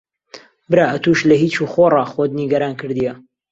برا ئەتووش لە هیچ و خۆڕا خۆت نیگەران کردییە.